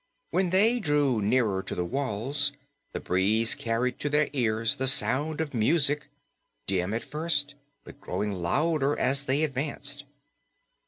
When they drew nearer to the walls, the breeze carried to their ears the sound of music dim at first, but growing louder as they advanced.